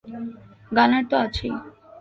গানার তো আছেই।